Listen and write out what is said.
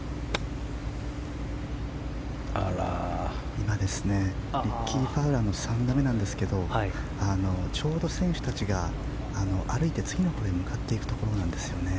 今リッキー・ファウラーの３打目なんですがちょうど選手たちが歩いて次のホールに向かっていくところなんですね。